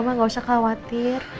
ma nggak usah khawatir